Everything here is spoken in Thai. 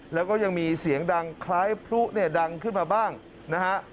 แล้วก็ยังมีเสียงดังคล้ายพลุเนี่ยดังขึ้นมาบ้างนะฮะ